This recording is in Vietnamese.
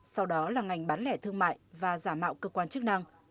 sau đó là ngành bán lẻ thương mại và giả mạo cơ quan chức năng